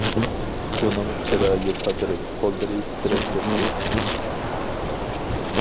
ئۇنىڭ چىرايى تاتىرىپ، قوللىرى تىترەپ كەتتى.